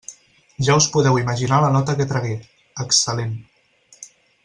Ja us podeu imaginar la nota que tragué: excel·lent.